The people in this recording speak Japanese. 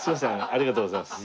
ありがとうございます。